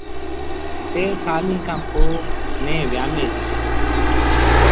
ٽي سآليٚݩ کآݩ پو ميݩهن ويآمي ديٚ۔